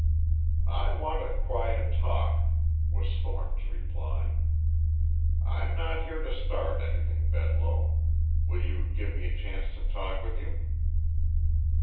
"I want a quiet talk," was Thornton's reply. "I'm not here to start anything, Bedloe. Will you give me a chance to talk with you?"